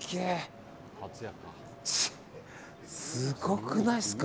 すごくないっすか？